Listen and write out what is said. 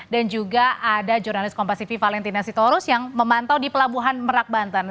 dan juga ada jurnalis kompasivi valentina sitorus yang memantau di pelabuhan merak bantan